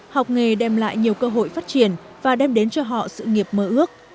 học nghề đem lại nhiều cơ hội phát triển và đem đến cho họ sự nghiệp mơ ước